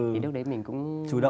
thì lúc đấy mình cũng